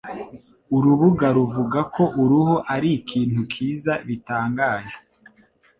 Urubuga ruvuga ko uruhu ari ikintu cyiza bitangaje